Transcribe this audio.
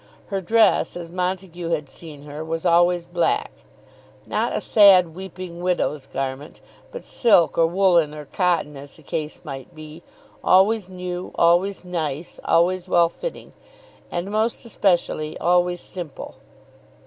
Her dress, as Montague had seen her, was always black, not a sad weeping widow's garment, but silk or woollen or cotton as the case might be, always new, always nice, always well fitting, and most especially always simple.